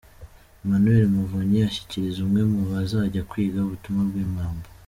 Emmanuel Muvunyi ashyikiriza umwe mu bazajya kwiga ubutumwa bw'impamba.